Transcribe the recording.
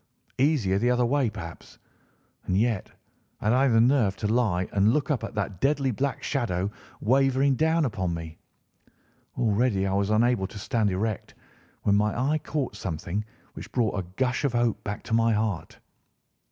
Easier the other way, perhaps; and yet, had I the nerve to lie and look up at that deadly black shadow wavering down upon me? Already I was unable to stand erect, when my eye caught something which brought a gush of hope back to my heart.